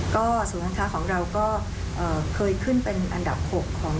ก็ศูนย์การค้าของเราก็เคยขึ้นเป็นอันดับ๖ของ